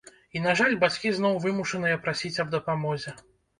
І, на жаль, бацькі зноў вымушаныя прасіць аб дапамозе.